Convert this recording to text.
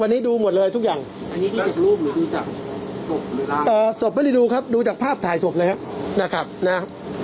ฟันนี่ครบเลยนะครับคุณแม่ได้ฟังแบบนี้สบายใจขึ้นไหมครับคุณแม่